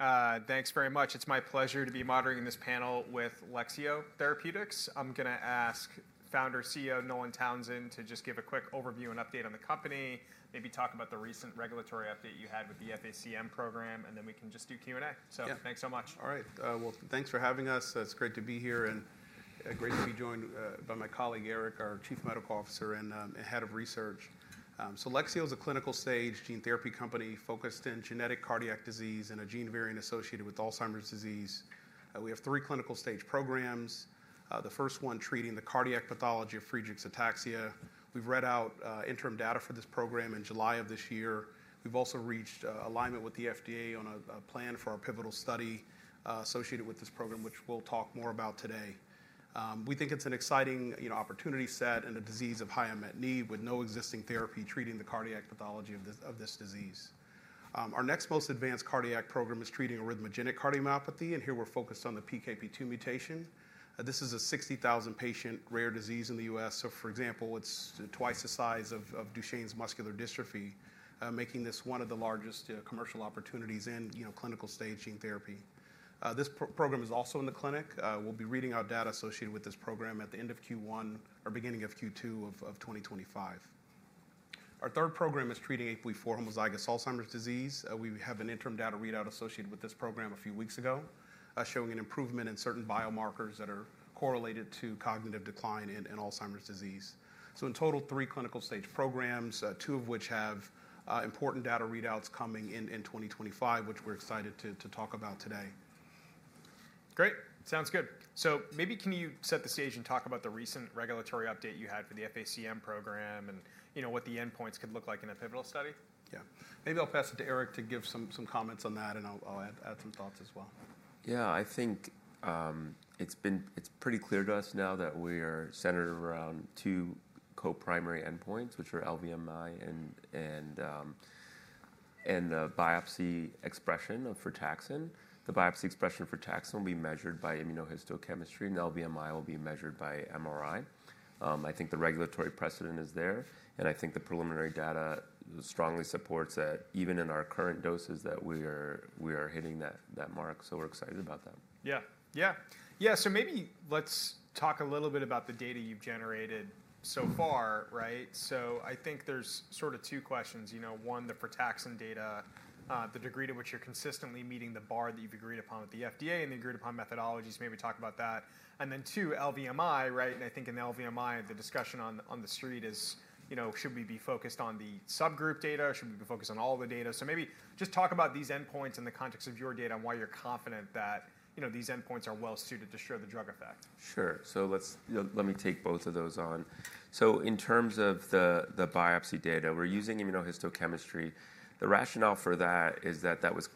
All right. Thanks very much. It's my pleasure to be moderating this panel with Lexeo Therapeutics. I'm going to ask founder CEO Nolan Townsend to just give a quick overview and update on the company, maybe talk about the recent regulatory update you had with the FA-CM program, and then we can just do Q&A. So thanks so much. All right. Well, thanks for having us. It's great to be here, and great to be joined by my colleague Eric, our Chief Medical Officer and Head of Research. So Lexeo is a clinical stage gene therapy company focused in genetic cardiac disease and a gene variant associated with Alzheimer's disease. We have three clinical stage programs, the first one treating the cardiac pathology of Friedreich's ataxia. We've read out interim data for this program in July of this year. We've also reached alignment with the FDA on a plan for our pivotal study associated with this program, which we'll talk more about today. We think it's an exciting opportunity set and a disease of high unmet need with no existing therapy treating the cardiac pathology of this disease. Our next most advanced cardiac program is treating arrhythmogenic cardiomyopathy, and here we're focused on the PKP2 mutation. This is a 60,000-patient rare disease in the U.S. So, for example, it's twice the size of Duchenne's muscular dystrophy, making this one of the largest commercial opportunities in clinical stage gene therapy. This program is also in the clinic. We'll be reading out data associated with this program at the end of Q1 or beginning of Q2 of 2025. Our third program is treating APOE4 homozygous Alzheimer's disease. We have an interim data readout associated with this program a few weeks ago showing an improvement in certain biomarkers that are correlated to cognitive decline in Alzheimer's disease. So, in total, three clinical stage programs, two of which have important data readouts coming in 2025, which we're excited to talk about today. Great. Sounds good. So maybe can you set the stage and talk about the recent regulatory update you had for the FA-CM program and what the endpoints could look like in a pivotal study? Yeah. Maybe I'll pass it to Eric to give some comments on that, and I'll add some thoughts as well. Yeah. I think it's pretty clear to us now that we are centered around two co-primary endpoints, which are LVMI and biopsy expression of frataxin. The biopsy expression of frataxin will be measured by immunohistochemistry, and LVMI will be measured by MRI. I think the regulatory precedent is there, and I think the preliminary data strongly supports that even in our current doses that we are hitting that mark. So we're excited about that. Yeah. Yeah. Yeah. So maybe let's talk a little bit about the data you've generated so far, right? So I think there's sort of two questions. One, the frataxin data, the degree to which you're consistently meeting the bar that you've agreed upon with the FDA and the agreed-upon methodologies, maybe talk about that. And then two, LVMI, right? And I think in LVMI, the discussion on the street is, should we be focused on the subgroup data? Should we be focused on all the data? So maybe just talk about these endpoints in the context of your data and why you're confident that these endpoints are well-suited to show the drug effect. Sure. So let me take both of those on. So in terms of the biopsy data, we're using immunohistochemistry. The rationale for that is that that was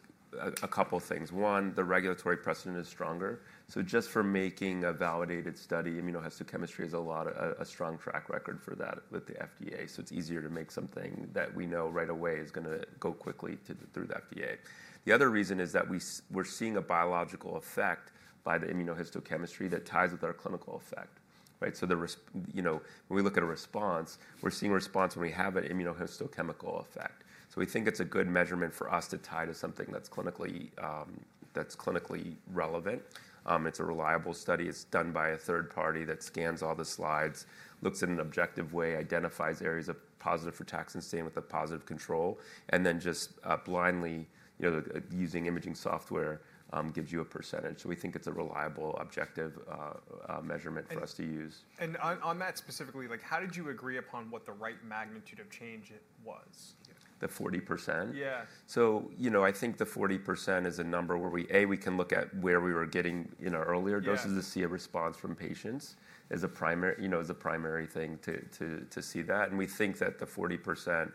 a couple of things. One, the regulatory precedent is stronger. So just for making a validated study, immunohistochemistry has a strong track record for that with the FDA. So it's easier to make something that we know right away is going to go quickly through the FDA. The other reason is that we're seeing a biological effect by the immunohistochemistry that ties with our clinical effect, right? So when we look at a response, we're seeing a response when we have an immunohistochemical effect. So we think it's a good measurement for us to tie to something that's clinically relevant. It's a reliable study. It's done by a third party that scans all the slides, looks at an objective way, identifies areas of positive frataxin stain with a positive control, and then just blindly using imaging software gives you a percentage. So we think it's a reliable, objective measurement for us to use. On that specifically, how did you agree upon what the right magnitude of change was? The 40%? Yeah. So I think the 40% is a number where we, A, we can look at where we were getting in our earlier doses to see a response from patients as a primary thing to see that. And we think that the 40%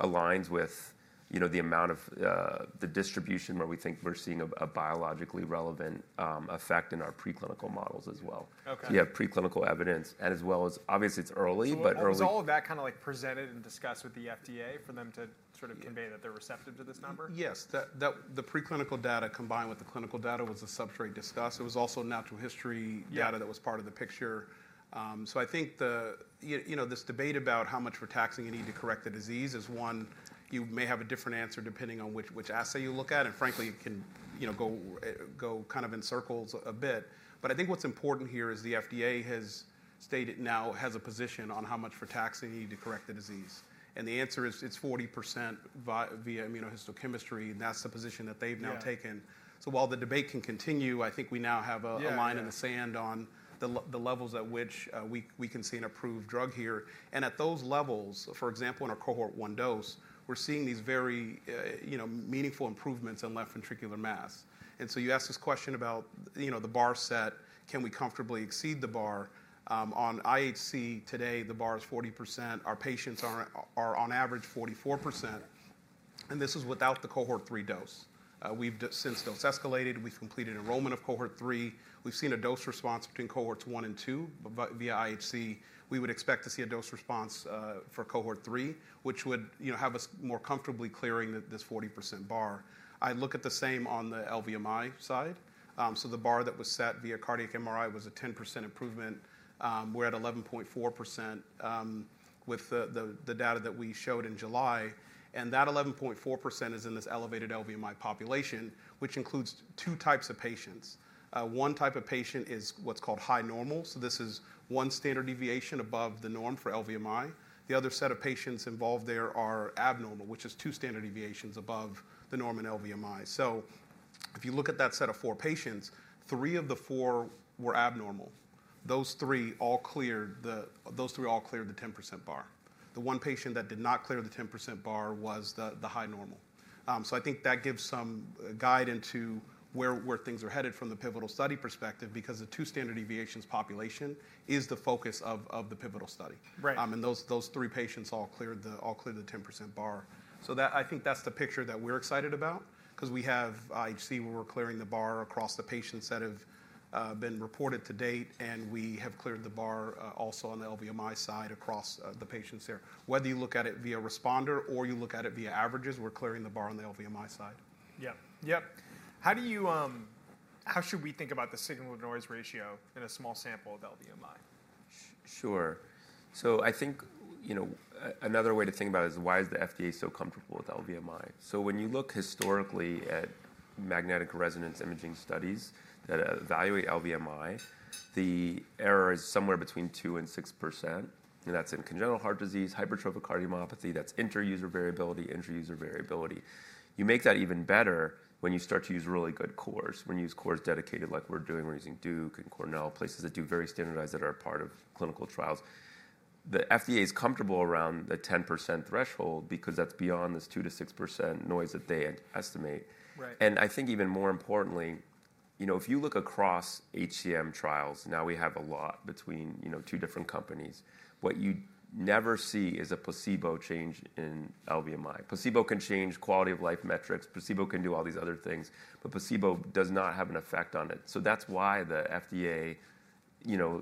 aligns with the amount of the distribution where we think we're seeing a biologically relevant effect in our preclinical models as well. So you have preclinical evidence, and as well as obviously it's early, but early. Was all of that kind of presented and discussed with the FDA for them to sort of convey that they're receptive to this number? Yes. The preclinical data combined with the clinical data was a substrate discussed. It was also natural history data that was part of the picture. So I think this debate about how much frataxin you need to correct the disease is one, you may have a different answer depending on which assay you look at. And frankly, it can go kind of in circles a bit. But I think what's important here is the FDA has stated now has a position on how much frataxin you need to correct the disease. And the answer is it's 40% via immunohistochemistry. And that's the position that they've now taken. So while the debate can continue, I think we now have a line in the sand on the levels at which we can see an approved drug here. At those levels, for example, in our cohort one dose, we're seeing these very meaningful improvements in left ventricular mass. You asked this question about the bar set: can we comfortably exceed the bar? On IHC today, the bar is 40%. Our patients are on average 44%. This is without the cohort three dose. We've since dose escalated. We've completed enrollment of cohort three. We've seen a dose response between cohorts one and two via IHC. We would expect to see a dose response for cohort three, which would have us more comfortably clearing this 40% bar. I look at the same on the LVMI side. The bar that was set via cardiac MRI was a 10% improvement. We're at 11.4% with the data that we showed in July. That 11.4% is in this elevated LVMI population, which includes two types of patients. One type of patient is what's called high normal, so this is one standard deviation above the norm for LVMI. The other set of patients involved there are abnormal, which is two standard deviations above the norm in LVMI, so if you look at that set of four patients, three of the four were abnormal. Those three all cleared the 10% bar. The one patient that did not clear the 10% bar was the high normal, so I think that gives some guide into where things are headed from the pivotal study perspective because the two standard deviations population is the focus of the pivotal study, and those three patients all cleared the 10% bar. So I think that's the picture that we're excited about because we have IHC where we're clearing the bar across the patients that have been reported to date, and we have cleared the bar also on the LVMI side across the patients there. Whether you look at it via responder or you look at it via averages, we're clearing the bar on the LVMI side. Yeah. Yeah. How should we think about the signal-to-noise ratio in a small sample of LVMI? Sure. So I think another way to think about it is why is the FDA so comfortable with LVMI? So when you look historically at magnetic resonance imaging studies that evaluate LVMI, the error is somewhere between 2% and 6%. And that's in congenital heart disease, hypertrophic cardiomyopathy. That's interuser variability, interuser variability. You make that even better when you start to use really good cores. When you use cores dedicated like we're doing, we're using Duke and Cornell, places that do very standardized that are part of clinical trials. The FDA is comfortable around the 10% threshold because that's beyond this 2%-6% noise that they estimate. And I think even more importantly, if you look across HCM trials, now we have a lot between two different companies. What you never see is a placebo change in LVMI. Placebo can change quality of life metrics. Placebo can do all these other things, but placebo does not have an effect on it, so that's why the FDA,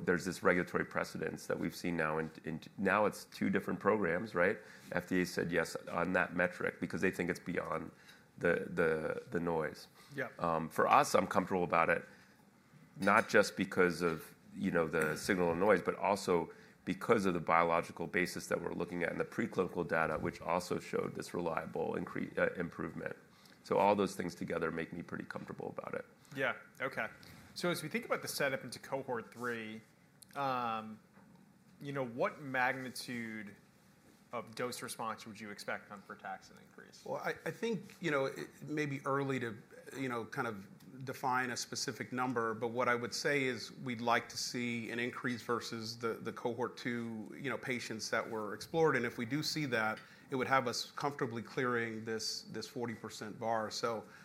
there's this regulatory precedent that we've seen now. Now it's two different programs, right? FDA said yes on that metric because they think it's beyond the noise. For us, I'm comfortable about it, not just because of the signal and noise, but also because of the biological basis that we're looking at and the preclinical data, which also showed this reliable improvement, so all those things together make me pretty comfortable about it. Yeah. Okay. So as we think about the setup into cohort three, what magnitude of dose response would you expect on frataxin increase? I think maybe early to kind of define a specific number, but what I would say is we'd like to see an increase versus the cohort two patients that were explored. If we do see that, it would have us comfortably clearing this 40% bar.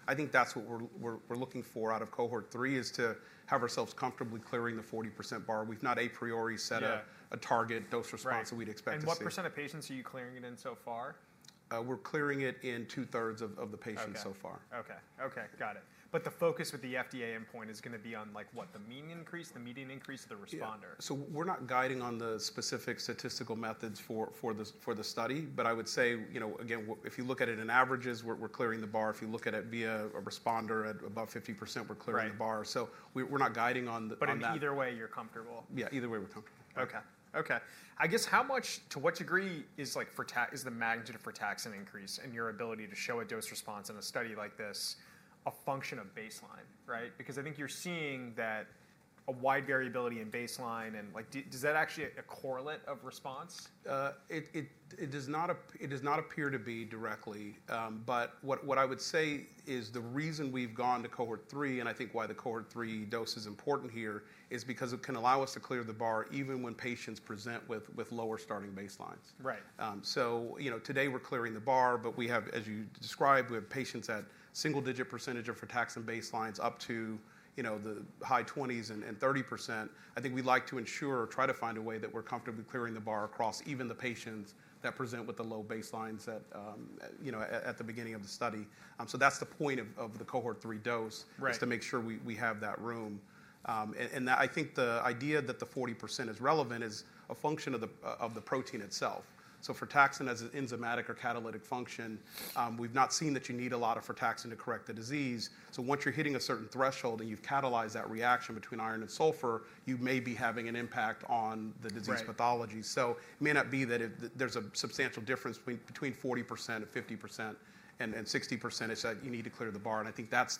I think that's what we're looking for out of cohort three is to have ourselves comfortably clearing the 40% bar. We've not a priori set a target dose response that we'd expect to see. What percent of patients are you clearing it in so far? We're clearing it in two-thirds of the patients so far. Okay. Got it. But the focus with the FDA endpoint is going to be on what the mean increase, the median increase, the responder? Yeah. So we're not guiding on the specific statistical methods for the study, but I would say, again, if you look at it in averages, we're clearing the bar. If you look at it via a responder at above 50%, we're clearing the bar. So we're not guiding on the. But in either way, you're comfortable? Yeah. Either way, we're comfortable. Okay. Okay. I guess how much, to what degree is the magnitude of frataxin increase and your ability to show a dose response in a study like this a function of baseline, right? Because I think you're seeing that a wide variability in baseline, and is that actually a correlate of response? It does not appear to be directly, but what I would say is the reason we've gone to cohort three, and I think why the cohort three dose is important here, is because it can allow us to clear the bar even when patients present with lower starting baselines. So today we're clearing the bar, but we have, as you described, we have patients at single-digit % of frataxin baselines up to the high 20s and 30%. I think we'd like to ensure or try to find a way that we're comfortably clearing the bar across even the patients that present with the low baselines at the beginning of the study. So that's the point of the cohort three dose is to make sure we have that room. And I think the idea that the 40% is relevant is a function of the protein itself. Frataxin as an enzymatic or catalytic function, we've not seen that you need a lot of Frataxin to correct the disease. So once you're hitting a certain threshold and you've catalyzed that reaction between iron and sulfur, you may be having an impact on the disease pathology. So it may not be that there's a substantial difference between 40% and 50% and 60%. It's that you need to clear the bar. And I think that's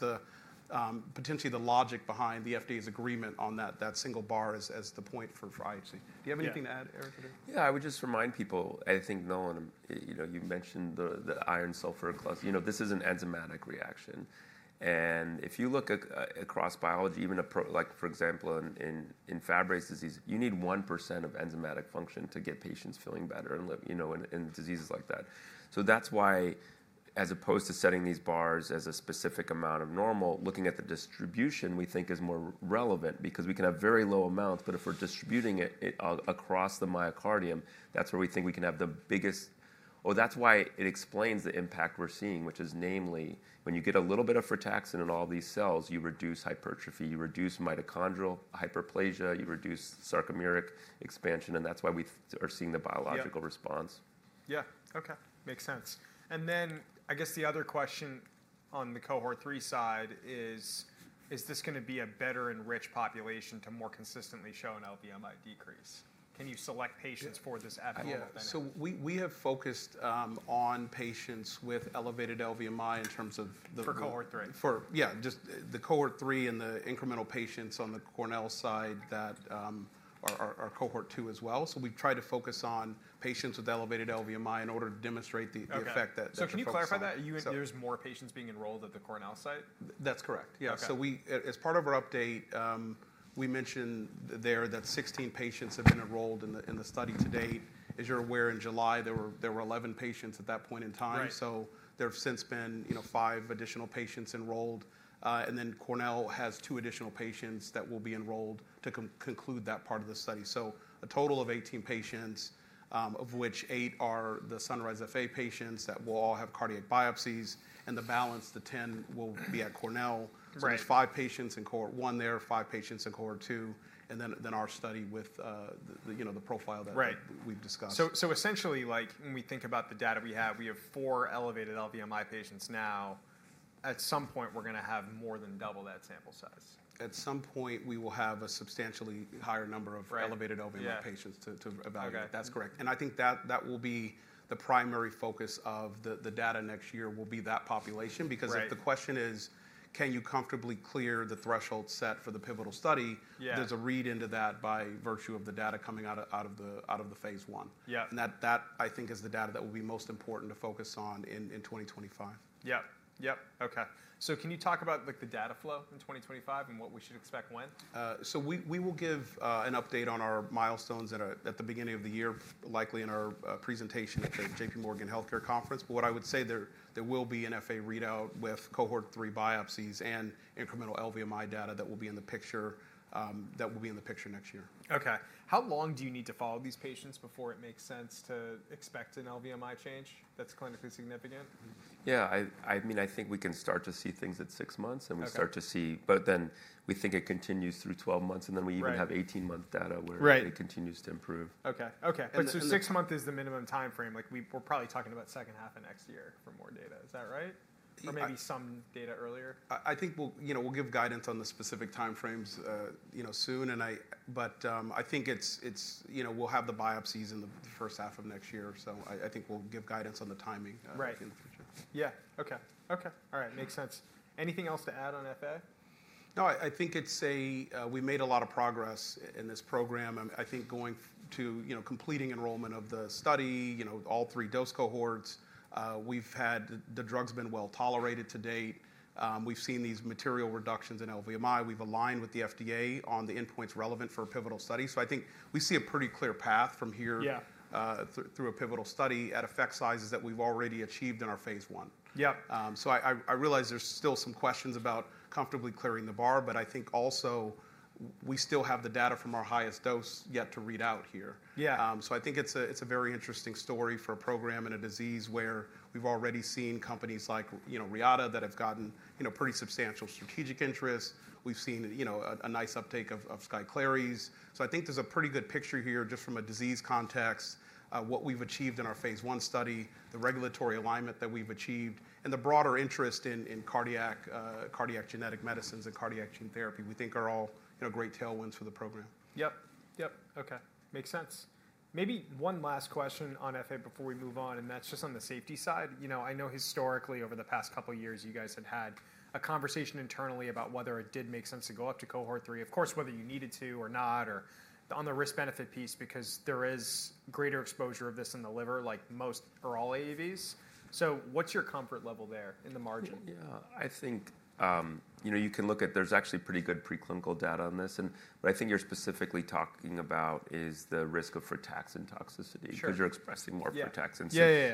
potentially the logic behind the FDA's agreement on that single bar as the point for IHC. Do you have anything to add, Eric? Yeah. I would just remind people. I think Nolan, you mentioned the iron-sulfur cluster. This is an enzymatic reaction. And if you look across biology, even for example, in Fabry disease, you need 1% of enzymatic function to get patients feeling better and diseases like that. So that's why, as opposed to setting these bars as a specific amount of normal, looking at the distribution we think is more relevant because we can have very low amounts, but if we're distributing it across the myocardium, that's where we think we can have the biggest. Well, that's why it explains the impact we're seeing, which is namely when you get a little bit of Frataxin in all these cells, you reduce hypertrophy, you reduce mitochondrial hyperplasia, you reduce sarcomeric expansion, and that's why we are seeing the biological response. Yeah. Okay. Makes sense. And then I guess the other question on the cohort three side is, is this going to be a better enriched population to more consistently show an LVMI decrease? Can you select patients for this FDA benefit? Yeah. So we have focused on patients with elevated LVMI in terms of. For Cohort 3. Yeah. Just the Cohort 3 and the incremental patients on the Cornell side that are Cohort 2 as well. So we've tried to focus on patients with elevated LVMI in order to demonstrate the effect that. So can you clarify that? There's more patients being enrolled at the Cornell site? That's correct. Yeah. So as part of our update, we mentioned there that 16 patients have been enrolled in the study to date. As you're aware, in July, there were 11 patients at that point in time. So there have since been five additional patients enrolled. And then Cornell has two additional patients that will be enrolled to conclude that part of the study. So a total of 18 patients, of which eight are the SUNRISE-FA patients that will all have cardiac biopsies. And the balance, the 10, will be at Cornell. There's five patients in cohort one there, five patients in cohort two, and then our study with the profile that we've discussed. Essentially, when we think about the data we have, we have four elevated LVMI patients now. At some point, we're going to have more than double that sample size. At some point, we will have a substantially higher number of elevated LVMI patients to evaluate. That's correct, and I think that will be the primary focus of the data next year will be that population because if the question is, can you comfortably clear the threshold set for the pivotal study, there's a read into that by virtue of the data coming out of the phase one, and that, I think, is the data that will be most important to focus on in 2025. Yep. Yep. Okay. So can you talk about the data flow in 2025 and what we should expect when? We will give an update on our milestones at the beginning of the year, likely in our presentation at the J.P. Morgan Healthcare Conference. What I would say, there will be an FA readout with cohort three biopsies and incremental LVMI data that will be in the picture next year. Okay. How long do you need to follow these patients before it makes sense to expect an LVMI change that's clinically significant? Yeah. I mean, I think we can start to see things at six months and we start to see, but then we think it continues through 12 months, and then we even have 18-month data where it continues to improve. Okay. So six months is the minimum timeframe. We're probably talking about second half of next year for more data. Is that right? Or maybe some data earlier? I think we'll give guidance on the specific timeframes soon. But I think we'll have the biopsies in the first half of next year. So I think we'll give guidance on the timing in the future. Yeah. Okay. All right. Makes sense. Anything else to add on FA? No. I think we made a lot of progress in this program. I think going to completing enrollment of the study, all three dose cohorts, the drug's been well tolerated to date. We've seen these material reductions in LVMI. We've aligned with the FDA on the endpoints relevant for a pivotal study. So I think we see a pretty clear path from here through a pivotal study at effect sizes that we've already achieved in our phase one. So I realize there's still some questions about comfortably clearing the bar, but I think also we still have the data from our highest dose yet to read out here. So I think it's a very interesting story for a program and a disease where we've already seen companies like Reata that have gotten pretty substantial strategic interest. We've seen a nice uptake of Skyclarys. So I think there's a pretty good picture here just from a disease context, what we've achieved in our phase one study, the regulatory alignment that we've achieved, and the broader interest in cardiac genetic medicines and cardiac gene therapy, we think are all great tailwinds for the program. Yep. Yep. Okay. Makes sense. Maybe one last question on FA before we move on, and that's just on the safety side. I know historically over the past couple of years, you guys had had a conversation internally about whether it did make sense to go up to cohort three, of course, whether you needed to or not, or on the risk-benefit piece because there is greater exposure of this in the liver like most or all AAVs. So what's your comfort level there in the margin? Yeah. I think you can look at. There's actually pretty good preclinical data on this. And what I think you're specifically talking about is the risk of frataxin toxicity because you're expressing more frataxins.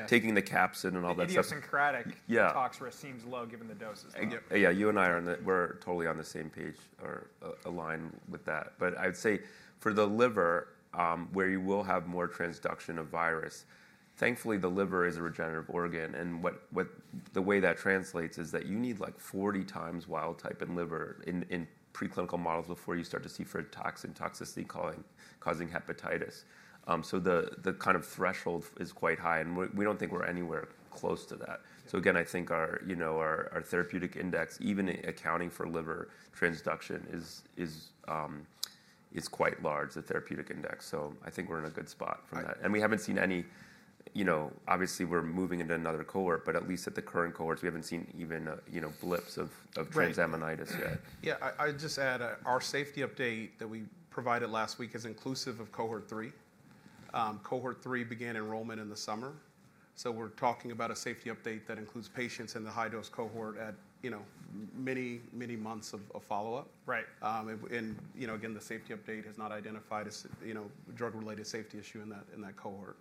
Taking the capsid and all that stuff. Idiosyncratic. The tox risk seems low given the doses. Yeah. You and I are totally on the same page or align with that. But I would say for the liver, where you will have more transduction of virus, thankfully, the liver is a regenerative organ. And the way that translates is that you need like 40 times wild type in liver in preclinical models before you start to see frataxin toxicity causing hepatitis. So the kind of threshold is quite high. And we don't think we're anywhere close to that. So again, I think our therapeutic index, even accounting for liver transduction, is quite large, the therapeutic index. So I think we're in a good spot from that. And we haven't seen any, obviously, we're moving into another cohort, but at least at the current cohorts, we haven't seen even blips of transaminitis yet. Yeah. I'd just add our safety update that we provided last week is inclusive of cohort three. Cohort three began enrollment in the summer. So we're talking about a safety update that includes patients in the high-dose cohort at many, many months of follow-up. And again, the safety update has not identified a drug-related safety issue in that cohort.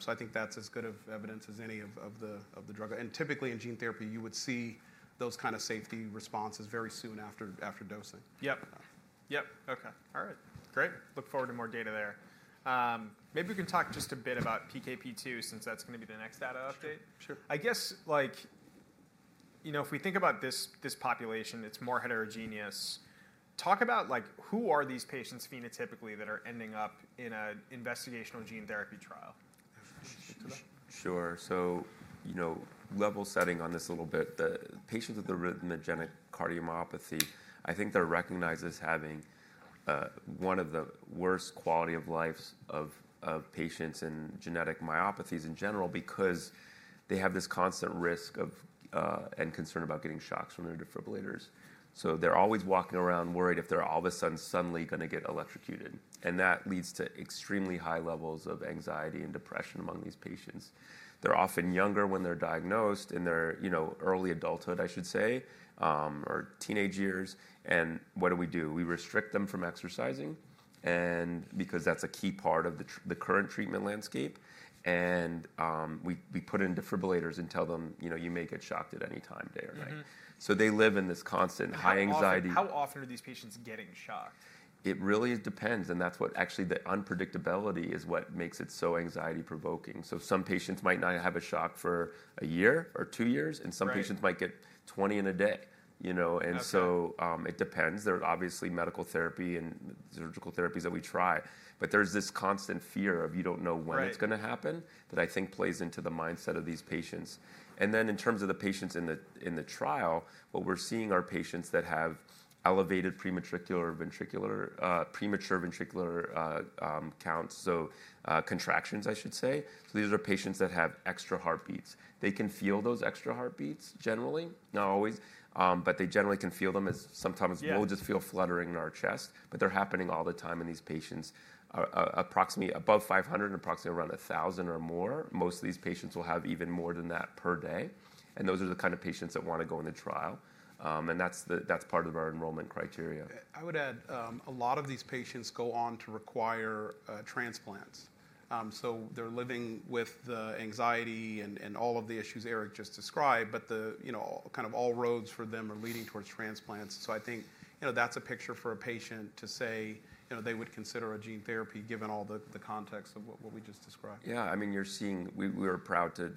So I think that's as good of evidence as any of the drug. And typically in gene therapy, you would see those kind of safety responses very soon after dosing. Yep. Yep. Okay. All right. Great. Look forward to more data there. Maybe we can talk just a bit about PKP2 since that's going to be the next data update. Sure. Sure. I guess if we think about this population, it's more heterogeneous. Talk about who are these patients phenotypically that are ending up in an investigational gene therapy trial? Sure. So level setting on this a little bit. The patients with the arrhythmogenic cardiomyopathy, I think they're recognized as having one of the worst quality of life of patients in genetic myopathies in general because they have this constant risk and concern about getting shocks from their defibrillators. So they're always walking around worried if they're all of a sudden going to get electrocuted. And that leads to extremely high levels of anxiety and depression among these patients. They're often younger when they're diagnosed in their early adulthood, I should say, or teenage years. And what do we do? We restrict them from exercising because that's a key part of the current treatment landscape. And we put in defibrillators and tell them, "You may get shocked at any time, day or night." So they live in this constant high anxiety. How often are these patients getting shocked? It really depends, and that's what actually the unpredictability is what makes it so anxiety-provoking. Some patients might not have a shock for a year or two years, and some patients might get 20 in a day, and so it depends. There's obviously medical therapy and surgical therapies that we try. But there's this constant fear of you don't know when it's going to happen that I think plays into the mindset of these patients. Then in terms of the patients in the trial, what we're seeing are patients that have elevated premature ventricular contractions, I should say. These are patients that have extra heartbeats. They can feel those extra heartbeats generally, not always, but they generally can feel them as sometimes we'll just feel fluttering in our chest. But they're happening all the time in these patients. Approximately above 500, approximately around 1,000 or more. Most of these patients will have even more than that per day. And those are the kind of patients that want to go in the trial. And that's part of our enrollment criteria. I would add a lot of these patients go on to require transplants. So they're living with the anxiety and all of the issues Eric just described, but kind of all roads for them are leading towards transplants. So I think that's a picture for a patient to say they would consider a gene therapy given all the context of what we just described. Yeah. I mean, we are proud to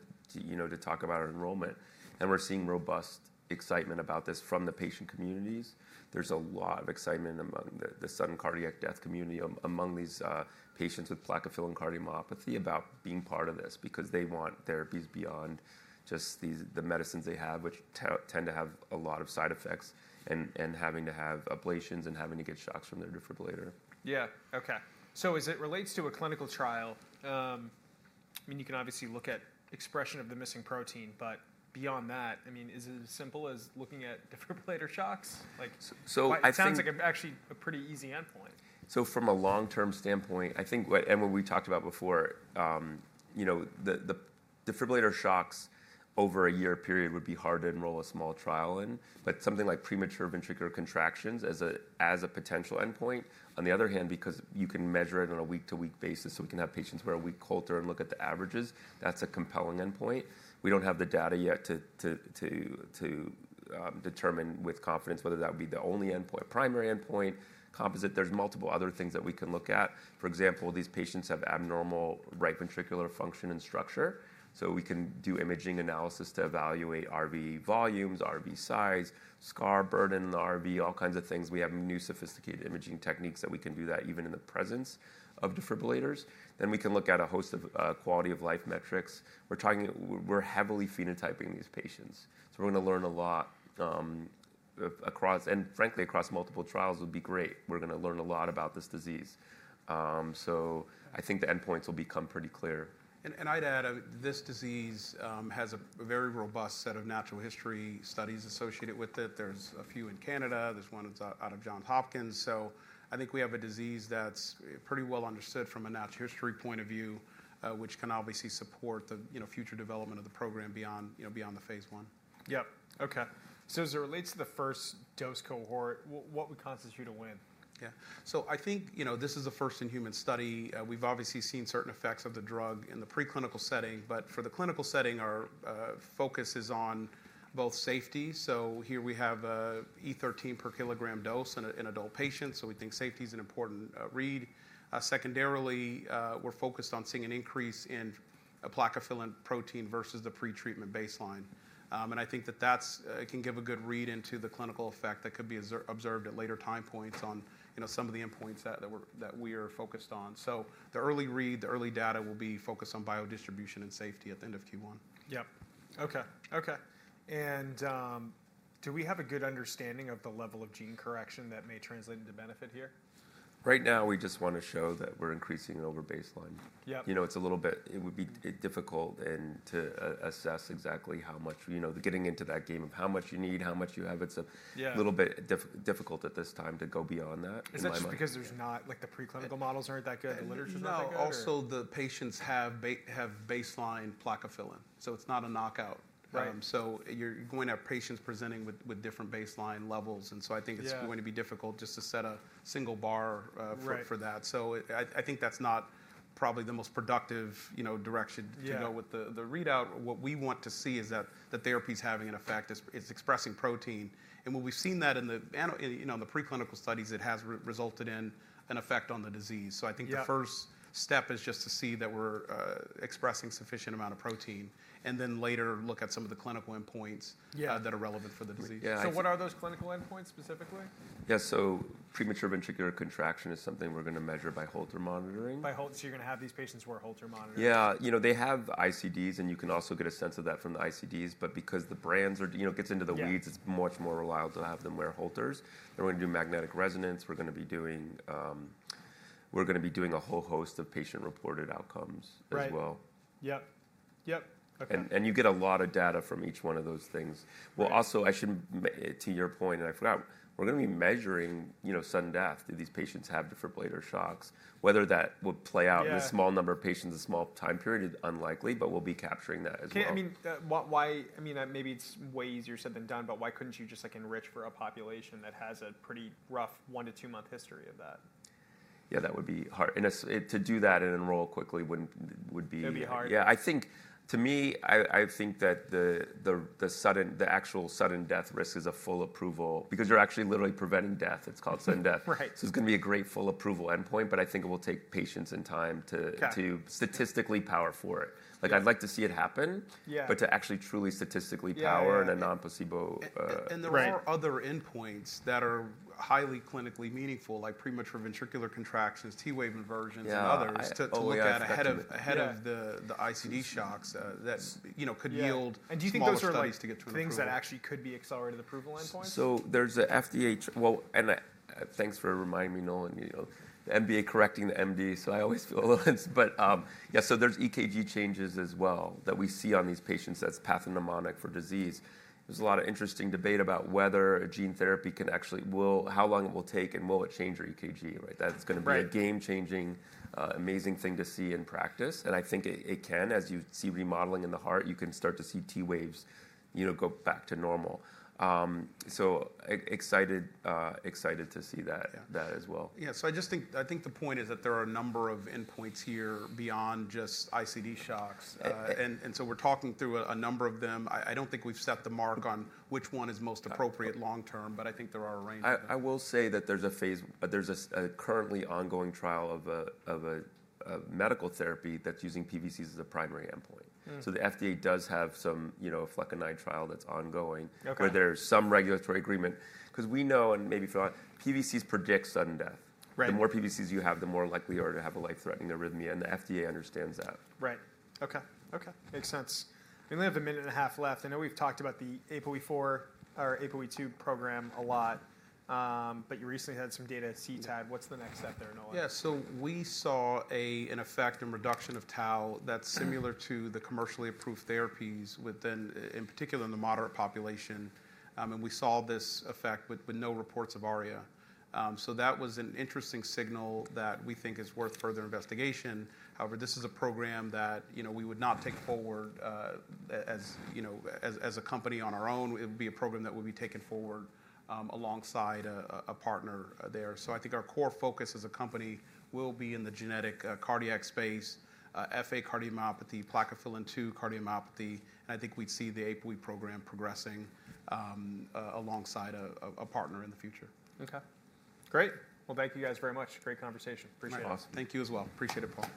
talk about our enrollment, and we're seeing robust excitement about this from the patient communities. There's a lot of excitement among the sudden cardiac death community among these patients with plakophilin-2 cardiomyopathy about being part of this because they want therapies beyond just the medicines they have, which tend to have a lot of side effects and having to have ablations and having to get shocks from their defibrillator. Yeah. Okay. So as it relates to a clinical trial, I mean, you can obviously look at expression of the missing protein, but beyond that, I mean, is it as simple as looking at defibrillator shocks? It sounds like actually a pretty easy endpoint. From a long-term standpoint, I think, and what we talked about before, the defibrillator shocks over a year period would be hard to enroll a small trial in, but something like premature ventricular contractions as a potential endpoint. On the other hand, because you can measure it on a week-to-week basis, so we can have patients wear a Holter monitor and look at the averages, that's a compelling endpoint. We don't have the data yet to determine with confidence whether that would be the only primary endpoint. There's multiple other things that we can look at. For example, these patients have abnormal right ventricular function and structure. So we can do imaging analysis to evaluate RV volumes, RV size, scar burden in the RV, all kinds of things. We have new sophisticated imaging techniques that we can do that even in the presence of defibrillators. Then we can look at a host of quality of life metrics. We're heavily phenotyping these patients. So we're going to learn a lot across, and frankly, across multiple trials would be great. We're going to learn a lot about this disease. So I think the endpoints will become pretty clear. I'd add this disease has a very robust set of natural history studies associated with it. There's a few in Canada. There's one that's out of Johns Hopkins. I think we have a disease that's pretty well understood from a natural history point of view, which can obviously support the future development of the program beyond the phase one. Yep. Okay. So as it relates to the first dose cohort, what would constitute a win? Yeah. So I think this is a first-in-human study. We've obviously seen certain effects of the drug in the preclinical setting. But for the clinical setting, our focus is on both safety. So here we have 1E13 per kg dose in adult patients. So we think safety is an important read. Secondarily, we're focused on seeing an increase in plakophilin-2 protein versus the pretreatment baseline. And I think that that can give a good read into the clinical effect that could be observed at later time points on some of the endpoints that we are focused on. So the early read, the early data will be focused on biodistribution and safety at the end of Q1. Yep. Okay. Okay. And do we have a good understanding of the level of gene correction that may translate into benefit here? Right now, we just want to show that we're increasing over baseline. It's a little bit difficult to assess exactly how much, getting into that game of how much you need, how much you have. It's a little bit difficult at this time to go beyond that. Is that just because the preclinical models aren't that good? The literature is not that good? No. Also, the patients have baseline plakophilin-2, so it's not a knockout, so you're going to have patients presenting with different baseline levels, and so I think it's going to be difficult just to set a single bar for that, so I think that's not probably the most productive direction to go with the readout. What we want to see is that the therapy is having an effect. It's expressing protein, and we've seen that in the preclinical studies. It has resulted in an effect on the disease, so I think the first step is just to see that we're expressing a sufficient amount of protein and then later look at some of the clinical endpoints that are relevant for the disease. So what are those clinical endpoints specifically? Yeah, so premature ventricular contraction is something we're going to measure by Holter monitoring. You're going to have these patients wear Holter monitors. Yeah. They have ICDs, and you can also get a sense of that from the ICDs, but because the brands gets into the weeds, it's much more reliable to have them wear Holters. They're going to do magnetic resonance. We're going to be doing a whole host of patient-reported outcomes as well. Right. Yep. Yep. Okay. You get a lot of data from each one of those things. Also, to your point, and I forgot, we're going to be measuring sudden death. Do these patients have defibrillator shocks? Whether that will play out in a small number of patients, a small time period, is unlikely, but we'll be capturing that as well. I mean, maybe it's way easier said than done, but why couldn't you just enrich for a population that has a pretty rough one- to two-month history of that? Yeah. That would be hard. And to do that and enroll quickly would be. It would be hard. Yeah. I think to me, I think that the actual sudden death risk is a full approval because you're actually literally preventing death. It's called sudden death. So it's going to be a great full approval endpoint, but I think it will take patients and time to statistically power for it. I'd like to see it happen, but to actually truly statistically power in a non-placebo. There are other endpoints that are highly clinically meaningful, like premature ventricular contractions, T-wave inversions, and others to look at ahead of the ICD shocks that could yield things that actually could be accelerated approval endpoints. So there's an FA. Well, and thanks for reminding me, Nolan, the MBA correcting the MD. So I always feel a little hesitant. But yeah, so there's EKG changes as well that we see on these patients that's pathognomonic for disease. There's a lot of interesting debate about whether a gene therapy can actually how long it will take and will it change your EKG, right? That's going to be a game-changing, amazing thing to see in practice. And I think it can. As you see remodeling in the heart, you can start to see T-waves go back to normal. So excited to see that as well. Yeah. So I think the point is that there are a number of endpoints here beyond just ICD shocks. And so we're talking through a number of them. I don't think we've set the mark on which one is most appropriate long-term, but I think there are a range of them. I will say that there's a currently ongoing trial of a medical therapy that's using PVCs as a primary endpoint, so the FDA does have some Flecainide trial that's ongoing where there's some regulatory agreement because we know, and maybe if not, PVCs predict sudden death. The more PVCs you have, the more likely you are to have a life-threatening arrhythmia, and the FDA understands that. Right. Okay. Okay. Makes sense. We only have a minute and a half left. I know we've talked about the APOE4 or APOE2 program a lot, but you recently had some data at CTAD. What's the next step there, Nolan? Yeah. So we saw an effect in reduction of tau that's similar to the commercially approved therapies within, in particular, in the moderate population. And we saw this effect with no reports of ARIA. So that was an interesting signal that we think is worth further investigation. However, this is a program that we would not take forward as a company on our own. It would be a program that would be taken forward alongside a partner there. So I think our core focus as a company will be in the genetic cardiac space, FA cardiomyopathy, plakophilin-2 cardiomyopathy. And I think we'd see the APOE program progressing alongside a partner in the future. Okay. Great. Well, thank you guys very much. Great conversation. Appreciate it. Thank you as well. Appreciate it, Paul.